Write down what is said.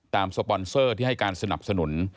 สปอนเซอร์ที่ให้การสนับสนุน